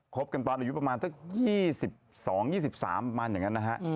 บกันตอนอายุประมาณสัก๒๒๒๓ประมาณอย่างนั้นนะฮะ